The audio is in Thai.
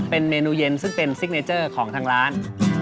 เป็นเมนูเย็นซึ่งเป็นซิกเนเจอร์ของทางร้าน